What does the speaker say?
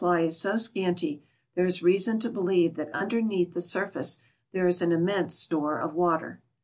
ly is so scanty, there is reason to believe that underneatli tlie sur face there is an immense store of water.